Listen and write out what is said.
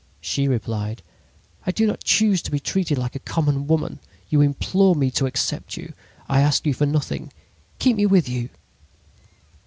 "She replied: "'I do not choose to be treated like a common woman. You implored me to accept you. I asked you for nothing. Keep me with you!'